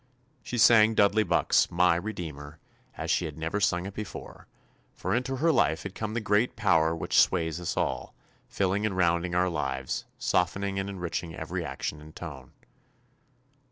She sang Dudley Buck's "My Redeemer" as she had never sung it before, for into her life had come the great power which sways us all, filling and rounding our lives, softening and enriching every action and tone.